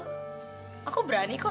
takut aku berani kok